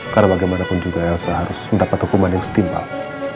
karena bagaimanapun juga elsa harus mendapat hukuman yang setimbang